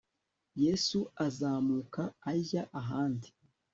yesu azamuka ajya ahandi